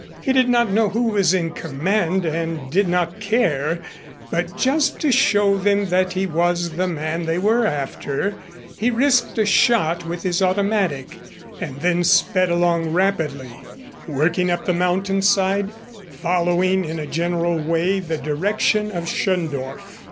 He did not know who was in command and did not care, but just to show them that he was the man they were after, he risked a shot with his automatic and then sped along rapidly, working up the mountainside, following in a general way the direction of Schöndorf.